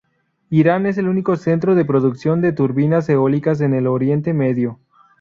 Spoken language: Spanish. Irán es el único centro de producción de turbinas eólicas en el Oriente Medio.